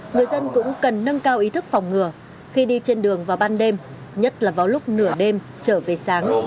người dân cũng cần nâng cao ý thức phòng ngừa khi đi trên đường vào ban đêm nhất là vào lúc nửa đêm trở về sáng